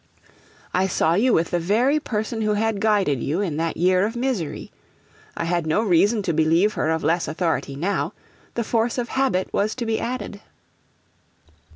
I saw you with the very person who had guided you in that year of misery. I had no reason to believe her of less authority now. The force of habit was to be added.'